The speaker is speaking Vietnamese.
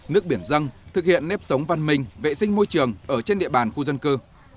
nước biển dân thực hiện nếp sống văn minh vệ sinh môi trường ở trên địa bàn khu dân cư